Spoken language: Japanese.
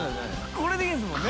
これでいいんですもんね？